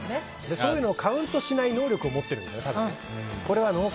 そういうのをカウントしない能力を持ってるんでしょうね。